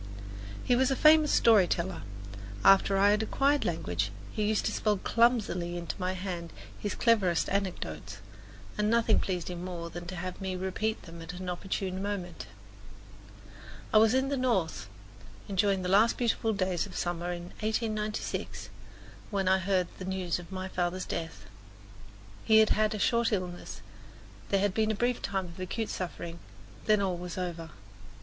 He was a famous story teller; after I had acquired language he used to spell clumsily into my hand his cleverest anecdotes, and nothing pleased him more than to have me repeat them at an opportune moment. I was in the North, enjoying the last beautiful days of the summer of 1896, when I heard the news of my father's death. He had had a short illness, there had been a brief time of acute suffering, then all was over.